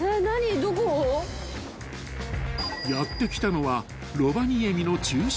［やって来たのは］